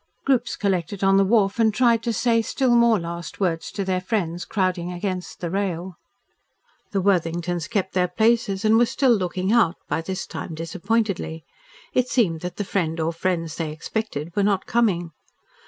Groups collected on the wharf and tried to say still more last words to their friends crowding against the rail. The Worthingtons kept their places and were still looking out, by this time disappointedly. It seemed that the friend or friends they expected were not coming.